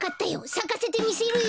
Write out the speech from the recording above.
さかせてみせるよ！